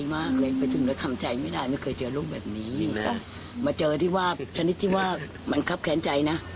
มาเจอที่ว่าชนิดที่ว่ามันคับแขนใจนะ